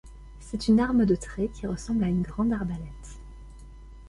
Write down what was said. C'est une arme de trait qui ressemble à une grande arbalète.